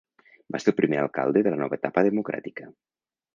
Va ser el primer alcalde de la nova etapa democràtica.